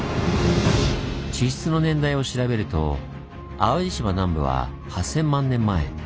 地質の年代を調べると淡路島南部は８，０００万年前。